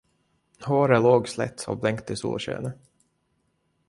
Håret låg slätt och blänkte i solskenet.